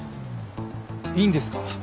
いいんですか？